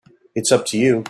It's up to you.